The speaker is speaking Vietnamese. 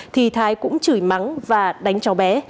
thì thái cũng chửi mắng và đánh chó bé